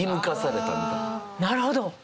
なるほど。